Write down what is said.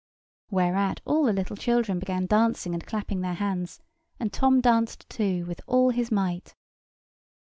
Whereat all the little children began dancing and clapping their hands, and Tom danced too with all his might.